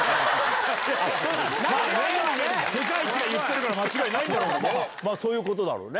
世界一が言ってるから間違いそういうことだろうね。